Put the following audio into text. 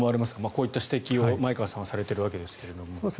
こういった指摘を前川さんはしているわけですが。